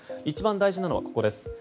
一番大事なのはここです。